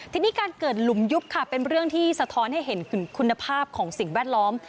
ทีนี้การเกิดหลุมยุบค่ะเป็นเรื่องที่สะท้อนให้เห็นคุณภาพของสิ่งแวดล้อม